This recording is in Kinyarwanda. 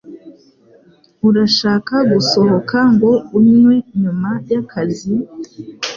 Urashaka gusohoka ngo unywe nyuma yakazi?